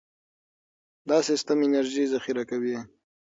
دا سیستم انرژي ذخیره کوي.